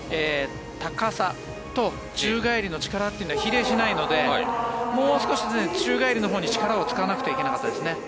高さと宙返りの力は比例しないのでもう少し宙返りのほうに力を使わなくてはいけなかったですね。